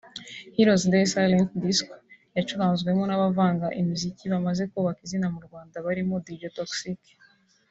Heroes Day Silent Disco” yacuranzwemo n’abavanga imiziki bamaze kubaka izina mu Rwanda barimo Dj Toxxyk